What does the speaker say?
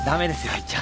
入っちゃ。